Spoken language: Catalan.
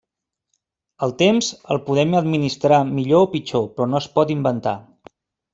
El Temps el podem administrar millor o pitjor, però no es pot inventar.